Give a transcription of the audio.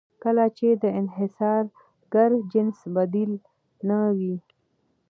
کله چې د انحصارګر جنس بدیل نه وي.